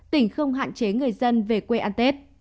tỉnh không hạn chế người dân về quê ăn tết